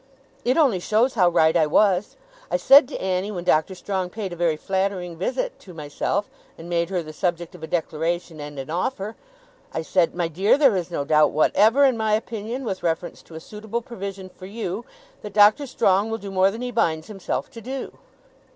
It only shows how right I was. I said to Annie, when Doctor Strong paid a very flattering visit to myself, and made her the subject of a declaration and an offer, I said, "My dear, there is no doubt whatever, in my opinion, with reference to a suitable provision for you, that Doctor Strong will do more than he binds himself to do."